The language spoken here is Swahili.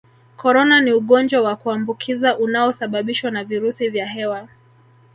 Corona ni ugonjwa wa kuambukiza unaosababishwa na virusi vya hewa